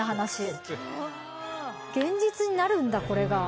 現実になるんだこれが。